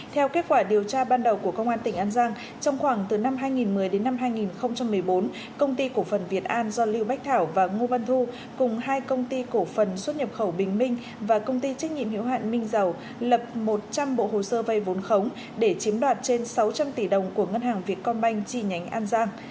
theo kết quả điều tra ban đầu của công an tỉnh an giang trong khoảng từ năm hai nghìn một mươi đến năm hai nghìn một mươi bốn công ty cổ phần việt an do lưu bách thảo và ngô văn thu cùng hai công ty cổ phần xuất nhập khẩu bình minh và công ty trách nhiệm hiệu hạn minh dầu lập một trăm linh bộ hồ sơ vay vốn khống để chiếm đoạt trên sáu trăm linh tỷ đồng của ngân hàng việt công banh chi nhánh an giang